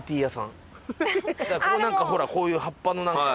なんかほらこういう葉っぱのなんか。